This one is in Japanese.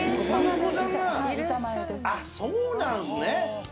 あっそうなんですね。